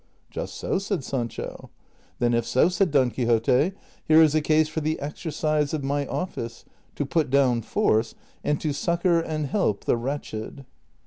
'' Just so," said Sancho. " Then if so," said Don Quixote, " here is a case for the exercise of my office, to put down force and to succor and help the wretched."